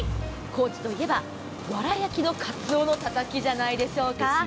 高知といえばわら焼きのカツオのたたきじゃないですか。